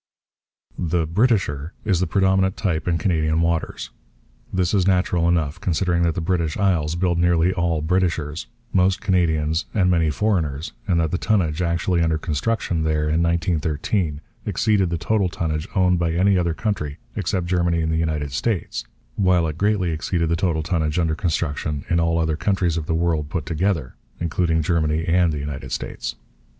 The 'Britisher' is the predominant type in Canadian waters. This is natural enough, considering that the British Isles build nearly all 'Britishers,' most 'Canadians,' and many foreigners, and that the tonnage actually under construction there in 1913 exceeded the total tonnage owned by any other country except Germany and the United States, while it greatly exceeded the total tonnage under construction in all other countries of the world put together, including Germany and the United States.